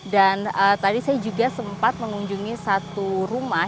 tadi saya juga sempat mengunjungi satu rumah